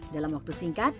dalam waktu singkat